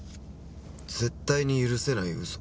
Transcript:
絶対に許せない嘘？